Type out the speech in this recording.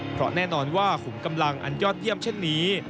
เพราะแน่นอนว่าขุมกำลังอันยอดเยี่ยมเช่นนี้